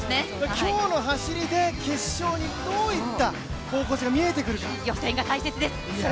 今日の走りで決勝にどういった方向性が予選が大切です。